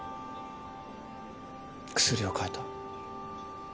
薬を替えた？